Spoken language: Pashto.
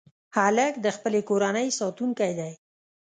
هلک د خپلې کورنۍ ساتونکی دی.